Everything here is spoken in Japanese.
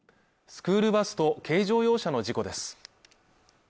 スクールバスと軽乗用車の事故です